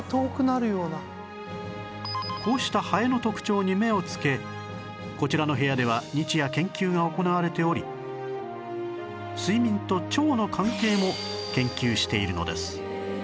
こうしたハエの特徴に目をつけこちらの部屋では日夜研究が行われており睡眠と腸の関係も研究しているのです